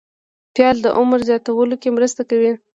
پیاز د عمر زیاتولو کې مرسته کوي